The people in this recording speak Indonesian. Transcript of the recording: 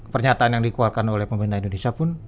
pernyataan yang dikeluarkan oleh pemerintah indonesia pun